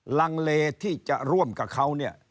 ลังเลที่จะร่วมกับเขาเนี่ย